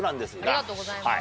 ありがとうございます。